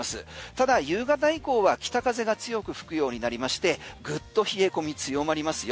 ただ夕方以降は北風が強く吹くようになりましてぐっと冷え込み強まりますよ。